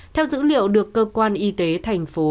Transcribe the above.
theo dữ liệu được cơ quan y tế thành phố